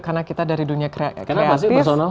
karena kita dari dunia kreatif